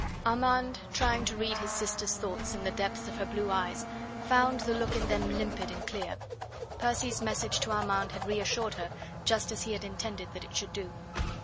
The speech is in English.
Armand, trying to read his sister's thoughts in the depths of her blue eyes, found the look in them limpid and clear. Percy's message to Armand had reassured her just as he had intended that it should do.